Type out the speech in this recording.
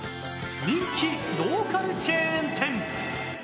人気ローカルチェーン店。